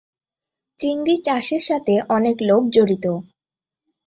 চিংড়ি চাষের সাথে অনেক লোক জড়িত।